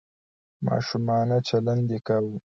ماشومانه چلند یې کاوه .